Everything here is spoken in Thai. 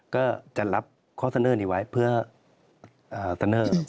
ก็จะรับข้อเสนอนี้ไว้เพื่อเสนอภูมิความกำลังจา